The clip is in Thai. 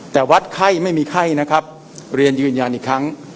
แต่วัดไข้ไม่มีไข้นะครับเรียนยืนยันอีกครั้ง